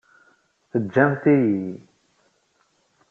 Teǧǧamt-iyi!